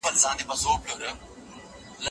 راځئ چي له ننه نوی پیل وکړو.